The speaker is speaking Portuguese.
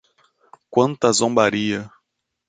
Quanta zombaria